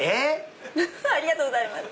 ありがとうございます。